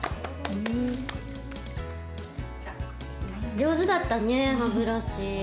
上手だったね歯ブラシ。